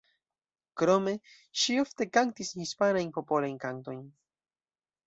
Krome, ŝi ofte kantis hispanajn popolajn kantojn.